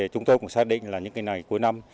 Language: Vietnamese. chúng tôi cũng xác định là những ngày cuối năm